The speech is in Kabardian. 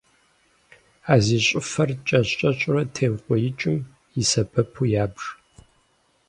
Ар зи щӏыфэр кӏэщӏ-кӏэщӏурэ теукъуеикӏым и сэбэпу ябж.